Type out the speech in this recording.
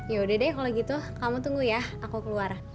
yaudah deh kalau gitu kamu tunggu ya aku keluar